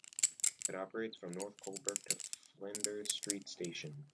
It operates from North Coburg to Flinders Street station.